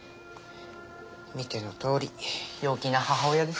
見てのとおり陽気な母親です。